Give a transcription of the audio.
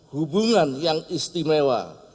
hubungan yang istimewa